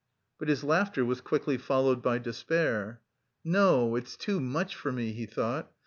But his laughter was quickly followed by despair. "No, it's too much for me..." he thought.